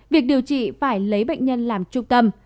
việc điều trị phải lấy bệnh nhân làm trung tâm